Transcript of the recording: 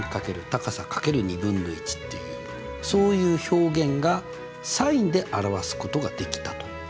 高さ×２分の１っていうそういう表現がｓｉｎで表すことができたと。